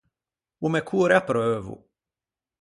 O me core apreuvo.